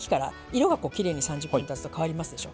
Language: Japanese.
色がこうきれいに３０分たつと変わりますでしょ。